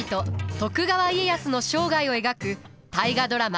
徳川家康の生涯を描く大河ドラマ